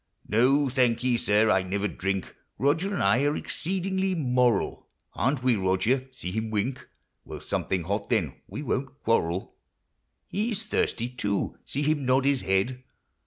No, thank ye, sir, — I never drink ; Roger and I are exceedingly moral, — Aren't we, Roger? — see him wink !— Well, something hot, then — we won't quarrel. He 's thirsty too, — see him nod his head